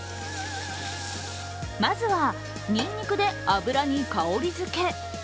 まずは、にんにくで油に香りづけ。